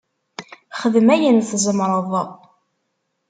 Xdem ayen tzemreḍ.